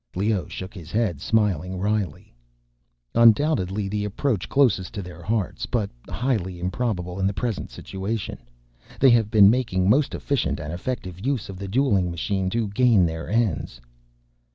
Leoh shook his head, smiling wryly. "Undoubtedly the approach closest to their hearts—but highly improbable in the present situation. They have been making most efficient and effective use of the dueling machine to gain their ends."